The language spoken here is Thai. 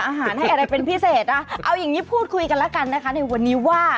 อาหารให้อะไรเป็นพิเศษอ่ะเอาอย่างนี้พูดคุยกันแล้วกันนะคะในวันนี้ว่า